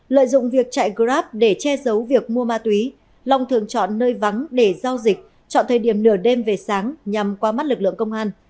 lợi dụng việc chạy grab để che giấu việc mua ma túy long thường chọn nơi vắng để giao dịch chọn thời điểm nửa đêm về sáng nhằm qua mắt lực lượng công an